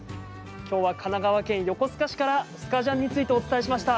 きょうは神奈川県横須賀市からスカジャンについてお伝えしました。